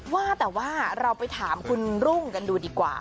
ว่าแต่ว่าเราไปถามคุณรุ่งกันดูดีกว่า